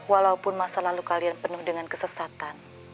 walaupun masa lalu kalian penuh dengan kesesatan